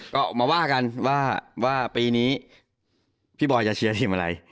ก็มาว่ากันว่าปีนี้พี่บอยจะเชียร์ทีมอะไร